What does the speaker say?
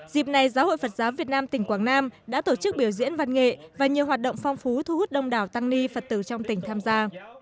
dịp này giáo hội phật giáo việt nam tỉnh quảng nam đã tổ chức biểu diễn văn nghệ và nhiều hoạt động phong phú thu hút đông đảo tăng ni phật tử trong tỉnh tham gia